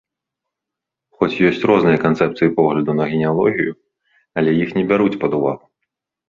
Хоць ёсць розныя канцэпцыі погляду на генеалогію, але іх не бяруць пад увагу.